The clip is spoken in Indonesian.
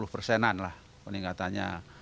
lima puluh persenan lah peningkatannya